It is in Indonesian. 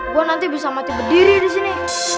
gue nanti bisa mati berdiri disini